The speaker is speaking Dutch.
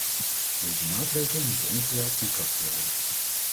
Deze maatregelen moeten onverwijld van kracht worden.